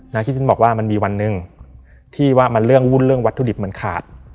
ที่ฉันบอกว่ามันมีวันหนึ่งที่ว่ามันเรื่องวุ่นเรื่องวัตถุดิบมันขาด